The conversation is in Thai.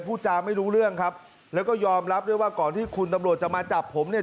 พูดจาไม่รู้เรื่องครับแล้วก็ยอมรับด้วยว่าก่อนที่คุณตำรวจจะมาจับผมเนี่ย